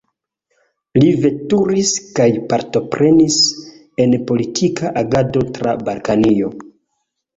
Li veturis kaj partoprenis en politika agado tra Balkanio.